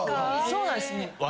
そうなんです。